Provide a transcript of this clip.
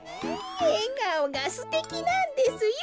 えがおがすてきなんですよ。